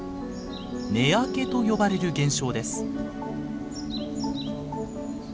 「根開け」と呼ばれる現象です。